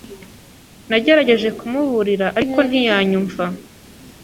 Nagerageje kumuburira, ariko ntiyanyumva.